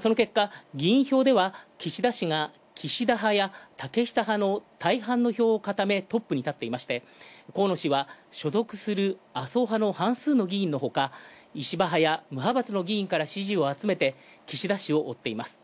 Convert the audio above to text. その結果、議員票では岸田氏が岸田派や竹下派の大半のひょうをかためトップに立ってまして、所属する麻生派の半数の議員のほか石破派や無派閥の議員から支持を集めて岸田氏を追ってします。